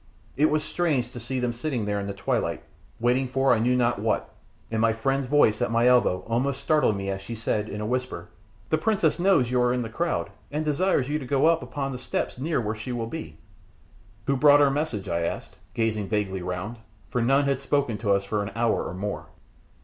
It was strange to see them sitting there in the twilight, waiting for I knew not what, and my friend's voice at my elbow almost startled me as she said, in a whisper, "The princess knows you are in the crowd, and desires you to go up upon the steps near where she will be." "Who brought her message?" I asked, gazing vaguely round, for none had spoken to us for an hour or more.